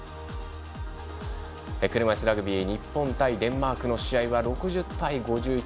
車いすラグビー日本対デンマークの試合は６０対５１。